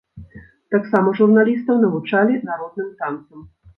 Таксама журналістаў навучалі народным танцам.